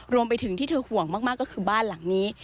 รวมไปถึงที่เธอห่วงมากก็คือบ้านหลังนี้